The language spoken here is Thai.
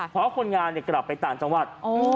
เพราะคนงานกลับไปต่างจังหวัด